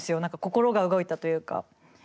何か心が動いたというか。